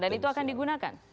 dan itu akan digunakan